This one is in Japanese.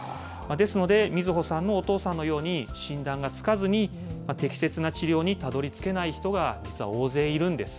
ですので、みずほさんのお父さんのように、診断がつかずに、適切な治療にたどりつけない人が実は大勢いるんです。